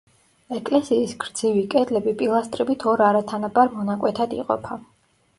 ეკლესიის გრძივი კედლები პილასტრებით ორ არათანაბარ მონაკვეთად იყოფა.